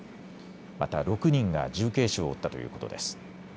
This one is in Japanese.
また６人が重軽傷を負ったということです。